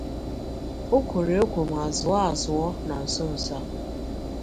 O kwòrò èkwò ma zụọ azụọ na nsonso a